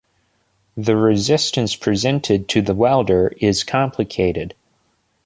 The resistance presented to the welder is complicated.